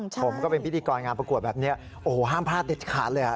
ผมก็เป็นพิธีกรงานประกวดแบบนี้โอ้โหห้ามพลาดเด็ดขาดเลย